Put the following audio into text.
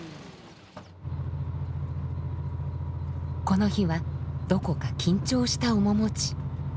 この日はどこか緊張した面持ち。